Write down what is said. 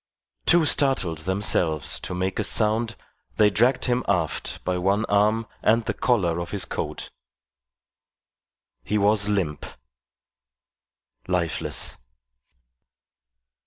Too startled themselves to make a sound, they dragged him aft by one arm and the collar of his coat. He was limp lifeless.